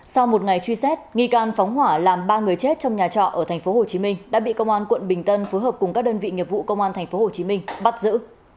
sau một ngày truy xét nghi can phóng hỏa làm ba người chết trong nhà trọ ở tp hcm đã bị công an quận bình tân phối hợp cùng các đơn vị nghiệp vụ công an tp hcm bắt giữ